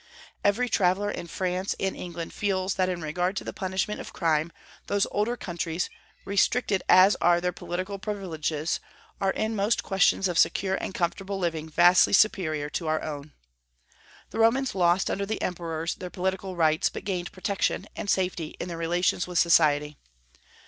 Every traveller in France and England feels that in regard to the punishment of crime, those older countries, restricted as are their political privileges, are in most questions of secure and comfortable living vastly superior to our own. The Romans lost under the emperors their political rights, but gained protection and safety in their relations with society.